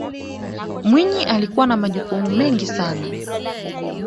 mwinyi alikuwa na majukumu mengine sana